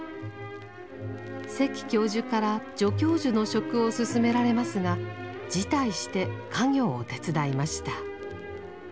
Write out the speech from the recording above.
関教授から助教授の職をすすめられますが辞退して家業を手伝いました。